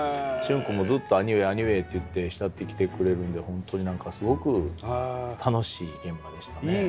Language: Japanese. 旬君もずっと「兄上兄上」って言って慕ってきてくれるんで本当に何かすごく楽しい現場でしたね。